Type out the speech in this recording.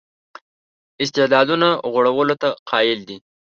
استعدادونو غوړولو ته قایل دی.